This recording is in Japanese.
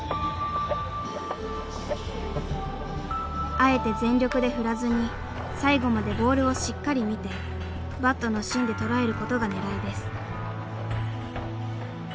あえて全力で振らずに最後までボールをしっかり見てバットの芯で捉えることがねらいです。